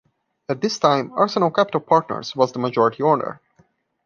At this time, Arsenal Capital Partners was the majority owner.